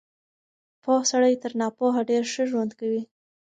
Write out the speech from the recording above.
پوه سړی تر ناپوهه ډېر ښه ژوند کوي.